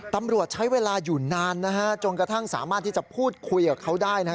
ตำรวจใช้เวลาอยู่นานจนกระทั่งสามารถที่จะพูดคุยกับเขาได้